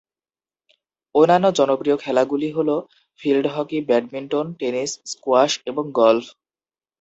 অন্যান্য জনপ্রিয় খেলাগুলি হল field hockey, badminton, tennis, squash এবং গলফ।